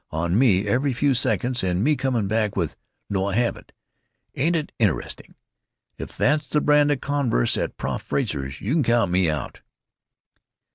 on me every few seconds, and me coming back with: 'No, I haven't. Ain't it interesting!' If that's the brand of converse at Prof Frazer's you can count me out."